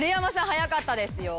早かったですよ。